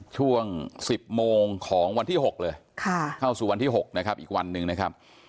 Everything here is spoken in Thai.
ช่วง๑๐โมงของวันที่๖เลยเข้าสู่วันที่๖นะครับอีกวันหนึ่งนะครับ